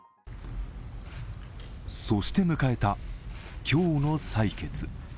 そして迎えた今日の採決。